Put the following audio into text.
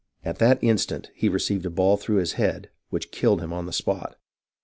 At that instant he received a ball through his head, which killed him on the spot.